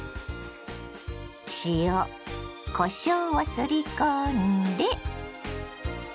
塩こしょうをすり込んで。